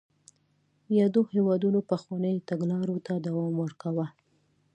یادو هېوادونو پخوانیو تګلارو ته دوام ورکاوه.